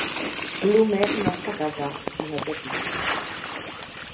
Plummer no està casat i no té fills.